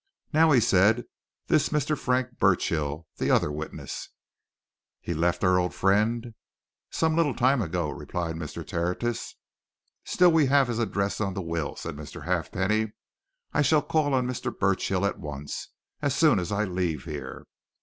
"Now," he said, "this Mr. Frank Burchill the other witness? He left our old friend?" "Some little time ago," replied Mr. Tertius. "Still, we have his address on the will," said Mr. Halfpenny. "I shall call on Mr. Burchill at once as soon as I leave here.